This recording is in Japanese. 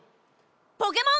ポケモン。